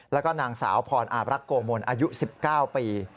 แล้วก็นางสาวพรอาบรักโกมลอายุ๑๙ปี